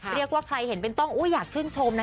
เรียกว่าใครเห็นเป็นต้องอยากชื่นชมนะ